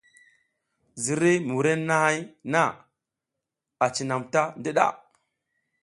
Ziriy wurenahay na cinam ta ndiɗa.